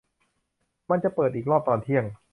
มันจะเปิดอีกรอบตอนเที่ยง